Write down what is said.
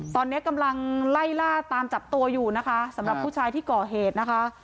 ตอนนี้กำลังไล่ล่าตามจับตัวอยู่นะคะสำหรับผู้ชายที่ก่อเหตุนะคะ